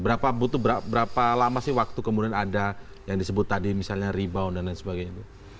berapa lama sih waktu kemudian ada yang disebut tadi misalnya rebound dan sebagainya